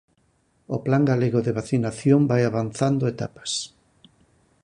O plan galego de vacinación vai avanzando etapas.